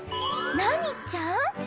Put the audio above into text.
何ちゃん？